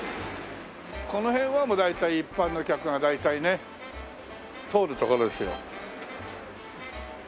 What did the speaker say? この辺はもう大体一般の客が大体ね通る所ですよ。